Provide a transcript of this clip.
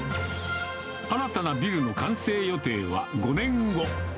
新たなビルの完成予定は５年後。